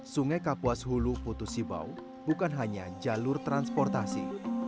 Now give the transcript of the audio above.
sungai kapuas hulu putus sibau bukan hanya jalur transportasi